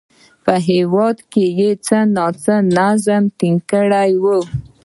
په هېواد کې یې څه ناڅه نظم ټینګ کړی و